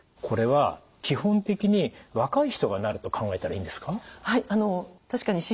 これは基本的に若い人がなると考えたらいいんですか？